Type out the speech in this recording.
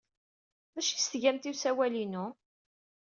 D acu ay as-tgamt i usawal-inu?